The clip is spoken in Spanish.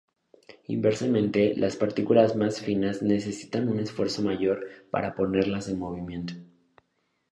Inversamente, las partículas más finas necesitan un esfuerzo mayor para ponerlas en movimiento.